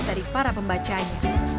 dari para pembacanya